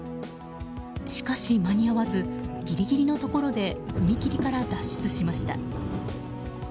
しかし、間に合わずギリギリのところで踏切から脱出しました。